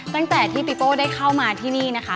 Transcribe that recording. ตั้งแต่ที่ปีโป้ได้เข้ามาที่นี่นะคะ